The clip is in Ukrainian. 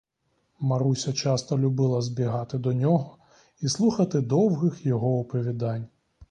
Маруся часто любила збігати до нього і слухати довгих його оповідань.